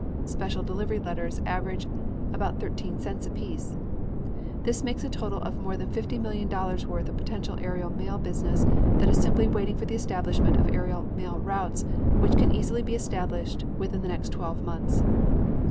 Special delivery letters average about thirteen cents apiece. This makes a total of more than fifty million dollars' worth of potential aerial mail business that is simply waiting for the establishment of aerial mail routes which can easily be established within the next twelve months.